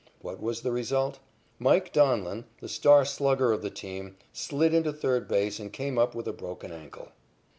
What was the result? "Mike" Donlin, the star slugger of the team, slid into third base and came up with a broken ankle.